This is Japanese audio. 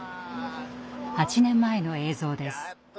８年前の映像です。